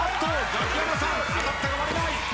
ザキヤマさん当たったが割れない。